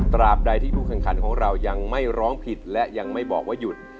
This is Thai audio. ตราบใดที่ผู้แข่งขันของเรายังไม่ร้องผิดและยังไม่บอกว่าหยุด